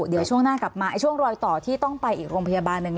เดี๋ยวช่วงหน้ากลับมาช่วงรอยต่อที่ต้องไปอีกโรงพยาบาลหนึ่ง